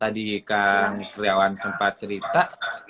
tadi kang triawan sempat cerita